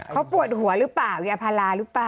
เขาปวดหัวหรือเปล่ายาพาราหรือเปล่า